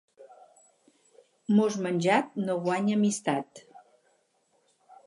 Mos menjat no guanya amistat.